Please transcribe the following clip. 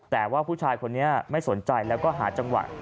แต่ว่าผู้ชายคนนี้ไม่สนใจแล้วก็หาจังหวะ